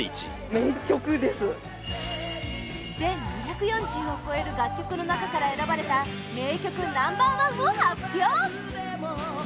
全２４０を超える楽曲の中から選ばれた名曲ナンバー１を発表！